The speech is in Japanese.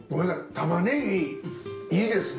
玉ねぎいいですね。